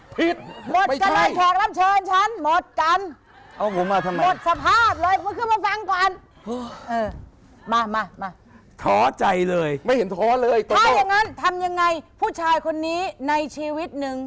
ทำยังไงผู้ชายคนนี้ในชีวิตนึง